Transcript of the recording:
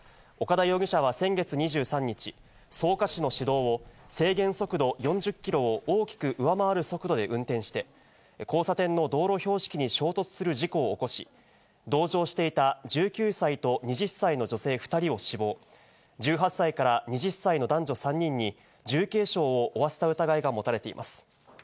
岡田容疑者は先月２３日、草加市の市道を制限速度４０キロを大きく上回る速度で運転して、交差点の道路標識に衝突する事故を起こし、同乗していた１９歳と２０歳の女性２人を死亡、１８歳から２０歳の男女３人に、重軽傷を負わせた疑いが持たれています。